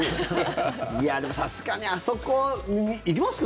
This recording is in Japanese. いやでも、さすがにあそこ行きますか？